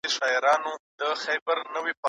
په مابین کي دی ایسار د غلیمانو